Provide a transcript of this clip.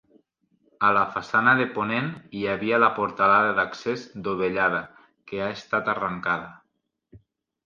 A la façana de ponent hi havia la portalada d'accés dovellada que ha estat arrencada.